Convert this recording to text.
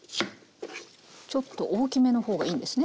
ちょっと大きめの方がいいんですね。